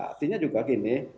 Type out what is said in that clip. artinya juga gini